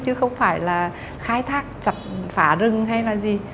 chứ không phải là khai thác chặt phá rừng hay là gì